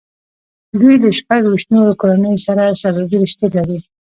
دوی له شپږ ویشت نورو کورنیو سره سببي رشتې لري.